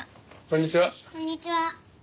こんにちは。